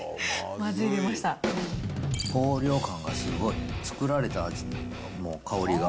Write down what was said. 香料感がすごい。作られた味、香りが。